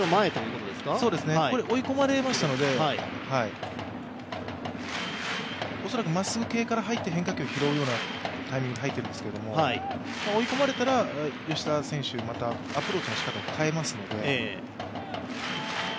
追い込まれましたので恐らくまっすぐ系から入って変化球を拾うようなタイミングで入っていますけど、追い込まれたら吉田選手、またアプローチの仕方変えますので。